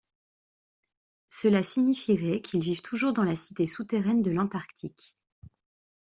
Cela signifierait qu'ils vivent toujours dans la cité souterraine de l'Antarctique.